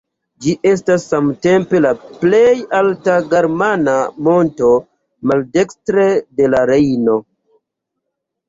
Ĝi estas samtempe la plej alta germana monto maldekstre de la Rejno.